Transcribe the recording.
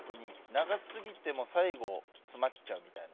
長過ぎても最後詰まっちゃう。